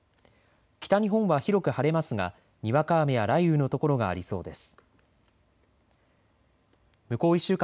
北日本は広く晴れますが、にわか雨や雷雨の所がありそうです。